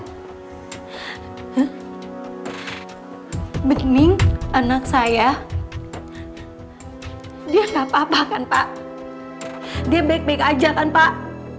hmmy anak saya dia nggak apa apa kan pak dia baik baik aja kan pak